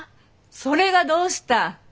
それがどうした？